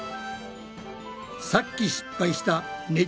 さっき失敗したね